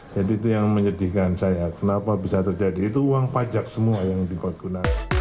jadi itu yang menyedihkan saya kenapa bisa terjadi itu uang pajak semua yang dibangun